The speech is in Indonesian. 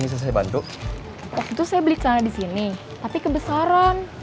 garut garut garut garut garut